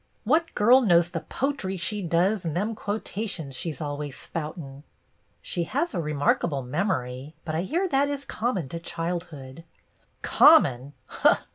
What girl knows the potry she does and them quotations she 's always spoutin' ?" "She has a remarkable memory, but I hear that is common to childhood." "Common!